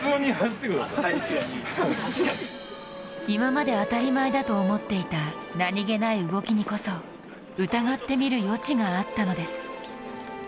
今まで当たり前だと思っていた何気ない動きにこそ疑ってみる余地があったのです。